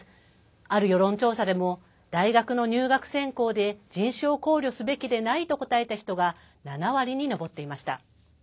ある世論調査でも大学の入学選考で人種を考慮すべきでないと答えた人が７割に上っていました。